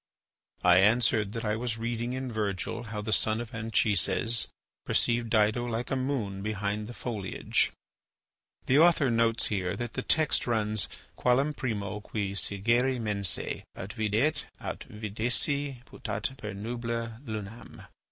I answered that I was reading in Virgil how the son of Anchises perceived Dido like a moon behind the foliage. The text runs ... qualem primo qui syrgere mense Aut videt aut vidisse putat per nubila lunam.